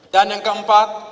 dan yang keempat